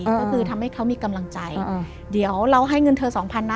ก็คือทำให้เขามีกำลังใจเดี๋ยวเราให้เงินเธอสองพันนะ